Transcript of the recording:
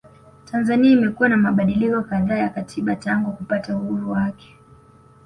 Tanzania imekuwa na mabadiliko kadhaa ya katiba tangu kupata uhuru wake